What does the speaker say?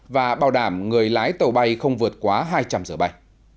và bảo đảm người lái tàu bay không vượt quá hai trăm linh giờ bay